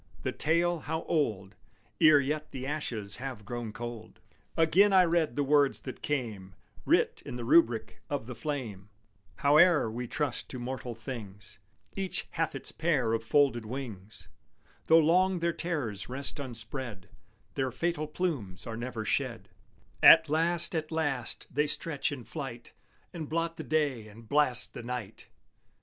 The tale, how old Ere yet the ashes have grown cold! Again I read the words that came Writ in the rubric of the flame: Howe'er we trust to mortal things, Each hath its pair of folded wings; Though long their terrors rest unspread Their fatal plumes are never shed; At last, at last, they stretch in flight, And blot the day and blast the night!